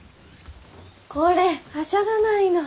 これはしゃがないの。